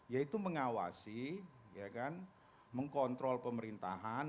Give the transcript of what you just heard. yaitu mengawasi mengkontrol pemerintahan